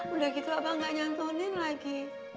udah gitu abang gak nyantunin lagi